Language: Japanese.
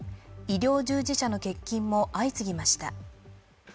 医療従事者の欠勤も相次ぎました。